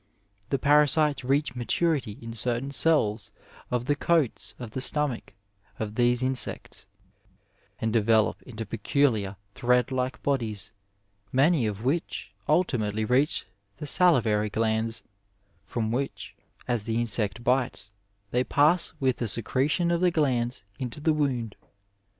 The parasites reach maturity in certain cells of the coats of the stomach of these insects, and develop into peculiar thiead like bodies, many of which ultimately reach the salivaiy glands, from which, as the insect bites, they pass with the secretion of the glands into the wound.